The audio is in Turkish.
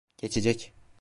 Geçecek.